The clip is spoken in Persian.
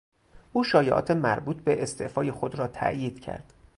او شایعات مربوط به استعفای خود راتایید کرد.